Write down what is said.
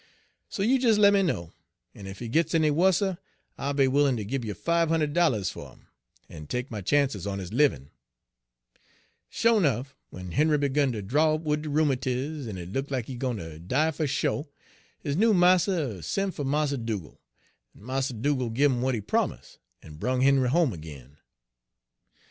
So you des lemme know, en ef he gits any wusser I'll be willin' ter gib yer five hund'ed dollars fer 'im, en take my chances on his livin'.' "Sho 'nuff, when Henry begun ter draw up wid de rheumatiz en it look like he gwine ter die fer sho, his noo marster sen' fer Mars Dugal', en Mars Dugal' gin him what he promus, en brung Henry home ag'in.